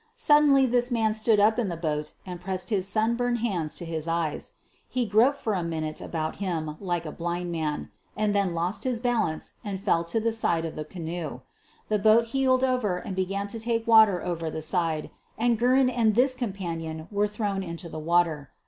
Suddenly this man stood up in the boat and pressed his sun burned hands to his eyes. He groped for a moment about him like a blind man, and then lost his balance and fell to the side of the canoe. The boat heeled over and began to take water over the side and Guerin and this companion were thrown into the water.